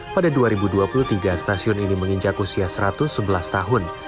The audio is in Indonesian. pada dua ribu dua puluh tiga stasiun ini menginjak usia satu ratus sebelas tahun